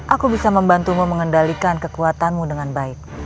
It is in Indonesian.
aku bisa membantumu mengendalikan kekuatanmu dengan baik